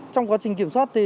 trong quá trình kiểm soát